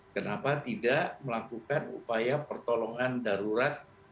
kenapa tidak melakukan upaya pertolongan darurat